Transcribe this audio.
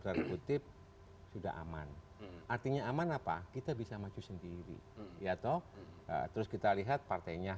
tanda kutip sudah aman artinya aman apa kita bisa maju sendiri ya toh terus kita lihat partainya